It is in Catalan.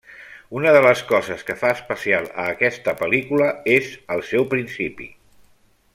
Una de les coses que fa especial a aquesta pel·lícula és el seu principi.